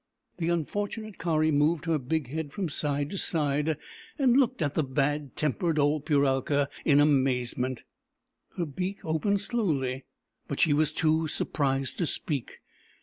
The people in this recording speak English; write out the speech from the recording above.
The unfortunate Kari moved her big head from side to side, and looked at the bad tempered old Puralka in amazement. Her beak opened slowly, but she was too surprised to speak.